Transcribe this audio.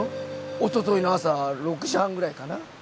おとといの朝６時半くらいかな？